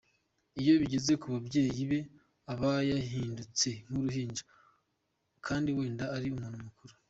Iyo bigeze ku babyeyi be aba yahindutse nk’uruhinja kandi wenda ari umuntu mukuru.